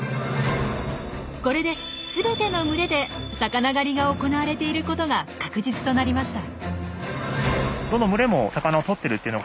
これで全ての群れで魚狩りが行われていることが確実となりました。